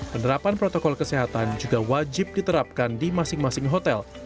penerapan protokol kesehatan juga wajib diterapkan di masing masing hotel